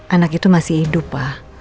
anak itu masih hidup pak